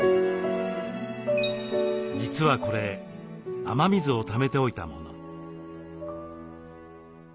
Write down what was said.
実はこれ雨水をためておいたもの。